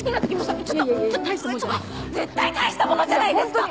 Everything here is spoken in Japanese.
絶対大したものじゃないですか！